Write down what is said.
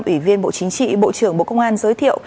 ủy viên bộ chính trị bộ trưởng bộ công an giới thiệu